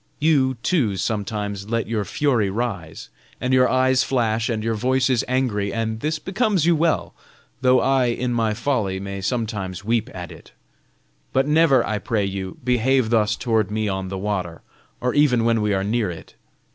You, too, sometimes, let your fury rise, and your eyes flash and your voice is angry, and this becomes you well, though I, in my folly, may sometimes weep at it. But never, I pray you, behave thus toward me on the water, or even when we are near it.